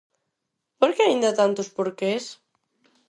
Por que aínda tantos porqués?